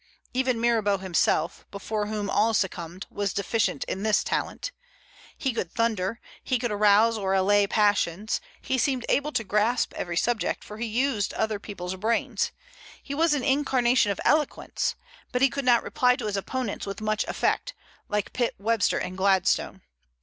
Even Mirabeau himself, before whom all succumbed, was deficient in this talent. He could thunder; he could arouse or allay passions; he seemed able to grasp every subject, for he used other people's brains; he was an incarnation of eloquence, but he could not reply to opponents with much effect, like Pitt, Webster, and Gladstone.